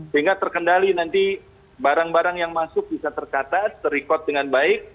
sehingga terkendali nanti barang barang yang masuk bisa terkata ter record dengan baik